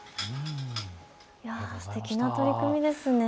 すてきな取り組みですね。